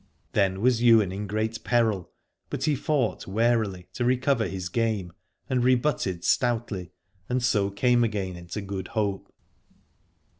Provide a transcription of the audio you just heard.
Then was Ywain in great peril, but he fought warily to recover his game, and rebutted stoutly and so came again into good hope.